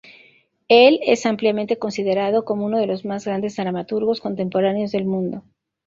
Él es ampliamente considerado como uno de los más grandes dramaturgos contemporáneos del mundo.